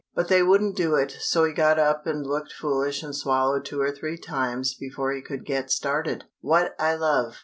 But they wouldn't do it, so he got up and looked foolish and swallowed two or three times before he could get started. WHAT I LOVE.